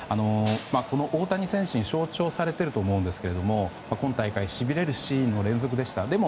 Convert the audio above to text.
この大谷選手に象徴されていると思うんですけど今大会しびれるシーンの連続でした。